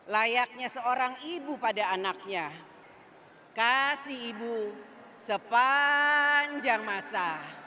layaknya seorang ibu pada anaknya kasih ibu sepanjang masa